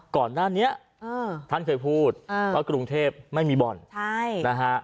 ก่อนหน้านี้ท่านเคยพูดว่ากรุงเทพไม่มีบ่อนใช่นะฮะ